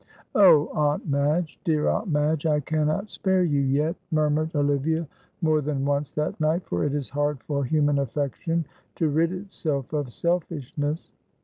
"Oh, Aunt Madge, dear Aunt Madge, I cannot spare you yet," murmured Olivia more than once that night, for it is hard for human affection to rid itself of selfishness.